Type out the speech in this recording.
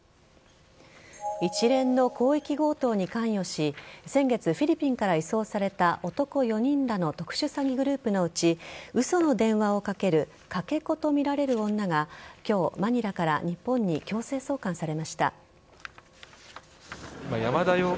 一連の広域強盗に関与し先月、フィリピンから移送された男４人らの特殊詐欺グループのうち嘘の電話をかけるかけ子とみられる女が今日、マニラから日本に強制送還されました。